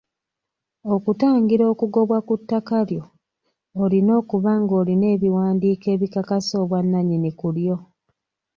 Okutangira okugobwa ku ttaka lyo olina okuba ng'olina ebiwandiiko ebikakasa obwannannyini ku lyo.